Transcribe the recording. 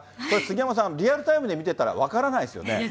これ、杉山さん、リアルタイムで見ていたら分からないですよね。